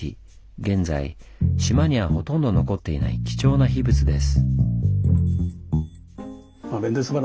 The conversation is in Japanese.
現在島にはほとんど残っていない貴重な秘仏です。